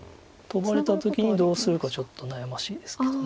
トバれた時にどうするかちょっと悩ましいですけど。